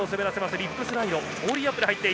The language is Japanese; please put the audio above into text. リップスライド。